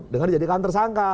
dengan dijadikan tersangka